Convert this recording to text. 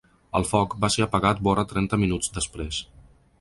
El foc va ser apagat vora trenta minuts després.